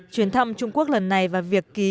chuyển thăm trung quốc lần này và việc ký